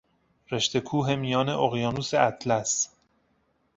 رشته کوه میان اقیانوس اطلس